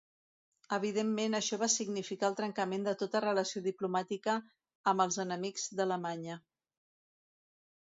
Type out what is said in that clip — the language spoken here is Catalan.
Evidentment això va significar el trencament de tota relació diplomàtica amb els enemics d'Alemanya.